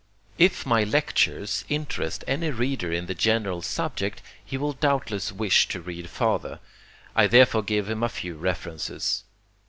If my lectures interest any reader in the general subject, he will doubtless wish to read farther. I therefore give him a few references.